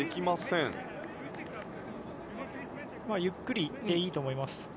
まあ、ゆっくりいっていいと思います。